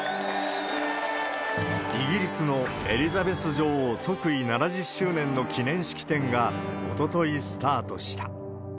イギリスのエリザベス女王即位７０周年の記念式典が、おとといスタートした。